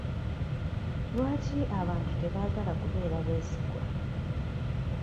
Lwaki abantu tebaagala kubeera beesigwa?